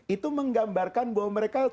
itu menggambarkan bahwa mereka